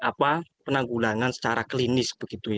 ini adalah pengulangan secara klinis